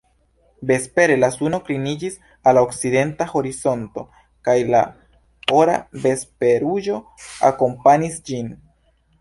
Vespere, la suno kliniĝis al la okcidenta horizonto kaj la ora vesperruĝo akompanis ĝin.